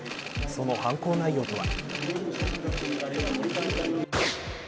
その犯行内容とは。